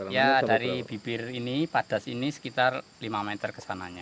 ya dari bibir ini padas ini sekitar lima meter ke sananya